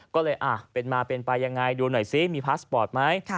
ก็เลยเป็นมาเป็นไปยังไงดูหน่อยซิมีพาสปอร์ตไหม